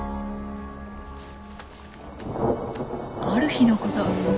ある日のこと。